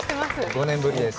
５年ぶりです。